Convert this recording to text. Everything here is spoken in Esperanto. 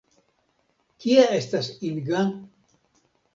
Kie estas Inga?